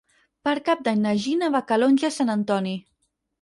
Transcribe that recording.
Per Cap d'Any na Gina va a Calonge i Sant Antoni.